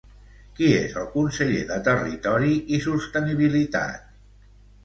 Qui és el conseller de Territori i Sostenibilitat?